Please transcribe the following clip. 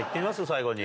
最後に。